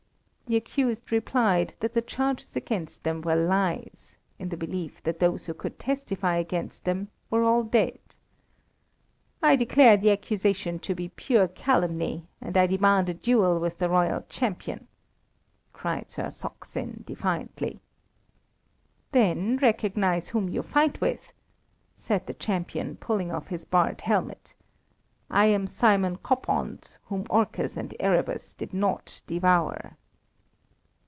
The accused replied that the charges against them were lies, in the belief that those who could testify against them were all dead. "I declare the accusation to be pure calumny, and I demand a duel with the royal champion," cried Sir Saksin, defiantly. "Then recognize whom you fight with," said the champion, pulling off his barred helmet; "I am Simon Koppand, whom Orcus and Erebus did not devour."